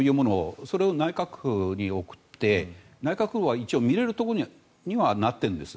それを内閣府に送って内閣府は一応見れることにはなっているんです。